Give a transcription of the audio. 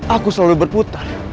aku selalu berputar